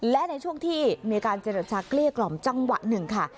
และในช่วงที่มีการเจรจาเกลี้ยกล่อมจังหวะหนึ่งค่ะ